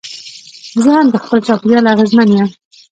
زه هم د خپل چاپېریال اغېزمن یم.